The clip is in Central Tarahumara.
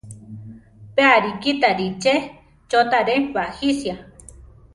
Pe arikítari che chótare bajisia.